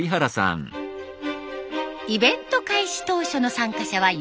イベント開始当初の参加者は４００人。